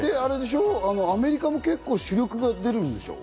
アメリカも結構主力が出るんでしょ？